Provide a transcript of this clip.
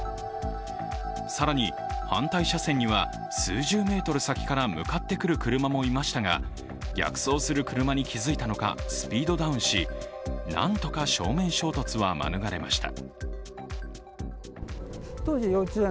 更に、反対車線には数十メートルから向かってくる車もいましたが、逆走する車に気付いたのかスピードダウンしなんとか正面衝突は免れました。